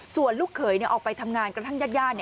ส่วนลูกเขยออกไปทำงานกระทั่งญาติ